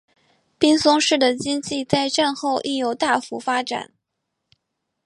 滨松市的经济在战后亦有大幅发展。